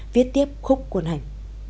viết tiếp khúc quân hành